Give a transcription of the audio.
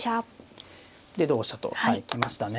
で同飛車と行きましたね。